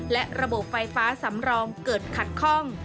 และระบบไฟฟ้าสำรองเกิดขัดข้อง